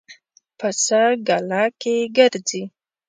پسه ګله کې ګرځي.